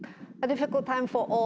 waktu yang sulit untuk semua perusahaan